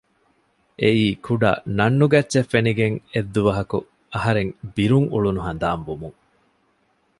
އެއީ ކުޑަ ނަން ނުގައްޗެއް ފެނިގެން އެއްދުވަހަކު އަހަރެން ބިރުން އުޅުނު ހަނދާން ވުމުން